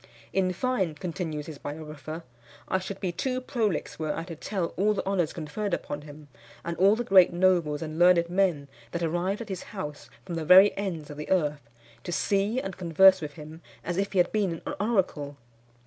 "In fine," continues his biographer, "I should be too prolix were I to tell all the honours conferred upon him, and all the great nobles and learned men that arrived at his house from the very ends of the earth, to see and converse with him as if he had been an oracle.